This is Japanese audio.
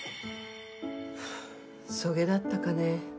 そげだったかね。